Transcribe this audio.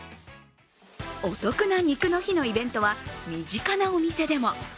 お得な肉の日のイベントは身近なお店でも。